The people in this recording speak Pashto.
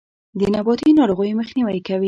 د نباتي ناروغیو مخنیوی کوي.